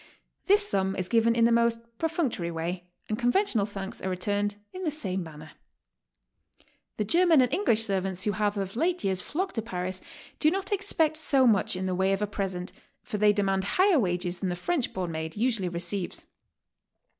This sum is given in the most perfunctory way and conventional thanks are returned in the same manner. The German and Englisih servants w*ho have of late years flocked to Paris do not expect so much in the way of a present, for they demand higher wages than the French born maid usually receives.